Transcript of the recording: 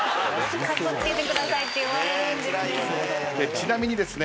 ちなみにですね